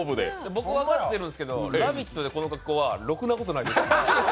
僕は知ってるんですけど「ラヴィット！」でこの格好はろくなことないです。